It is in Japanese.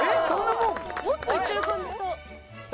もっといってる感じした。